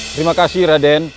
terima kasih raden